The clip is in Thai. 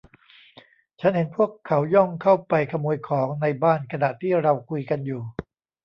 ฉันเห็นพวกเขาย่องเข้าไปขโมยของในบ้านขณะที่เราคุยกันอยู่